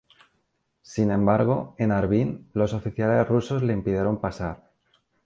Sin embargo, en Harbin, los oficiales rusos le impidieron pasar.